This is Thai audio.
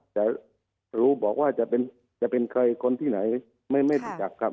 จะรู้บอกว่าจะเป็นจะเป็นใครคนที่ไหนไม่ไม่จัดครับ